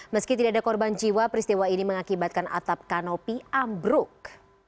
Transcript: meski tidak ada korban jiwa peristiwa ini mengakibatkan atap kanopi ambruk